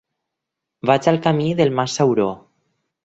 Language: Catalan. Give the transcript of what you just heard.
Vaig al camí del Mas Sauró.